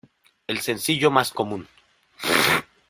El sencillo más común.